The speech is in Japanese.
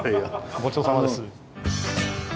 ごちそうさまです。